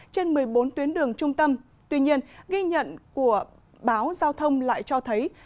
trên một mươi bốn tuyến đường trung tâm tuy nhiên ghi nhận của báo giao thông lại cho thấy